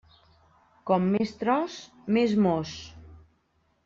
Com més tros, més mos.